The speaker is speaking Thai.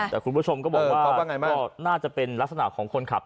แต่คุณผู้ชมก็บอกว่าก็น่าจะเป็นลักษณะของคนขับ